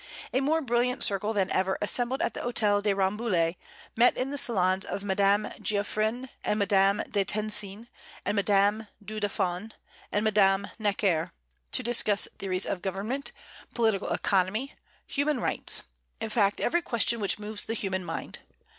A more brilliant circle than ever assembled at the Hôtel de Rambouillet met in the salons of Madame Geoffrin and Madame de Tencin and Madame du Deffand and Madame Necker, to discuss theories of government, political economy, human rights, in fact, every question which moves the human mind.